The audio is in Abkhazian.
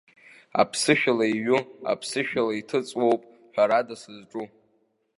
Аԥсышәала иҩу, аԥсышәала иҭыҵуоуп, ҳәарада сызҿу.